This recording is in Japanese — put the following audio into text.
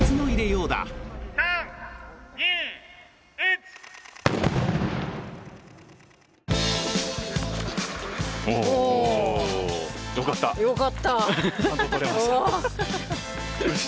よかった。